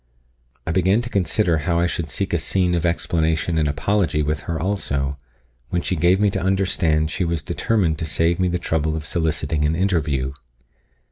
I began to consider how I should seek a scene of explanation and apology with her also, when she gave me to understand she was determined to save me the trouble of soliciting an interview.